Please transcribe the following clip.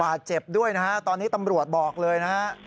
บาดเจ็บด้วยนะครับตอนนี้ตำรวจบอกเลยนะครับ